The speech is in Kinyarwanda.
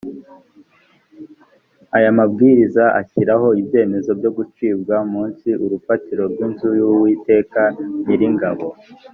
aya mabwiriza ashyiraho ibyemezo byo gucibwa munsi urufatiro rw inzu y uwiteka nyiringabo